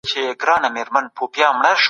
زه غواړم چي اوس بېدېدم.